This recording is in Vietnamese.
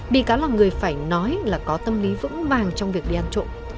bị cáo là người phải nói là có tâm lý vững vàng trong việc đi ăn trộm